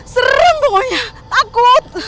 serem pokoknya takut